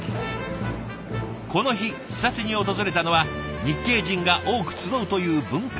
この日視察に訪れたのは日系人が多く集うという文化センター。